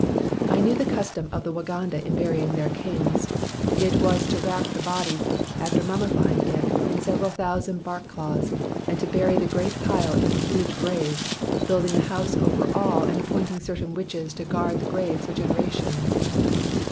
I knew the custom of the Waganda in bury ing their kings. It is to wrap the body, after mummifying it, in several thousand bark cloths, and to bury the great pile in a huge grave, building a house over all and appointing certain witches to guard the grave for generations.